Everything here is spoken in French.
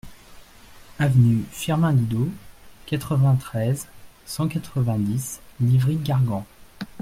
Avenue Firmin Didot, quatre-vingt-treize, cent quatre-vingt-dix Livry-Gargan